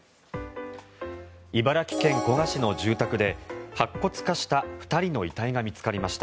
茨城県古河市の住宅で白骨化した２人の遺体が見つかりました。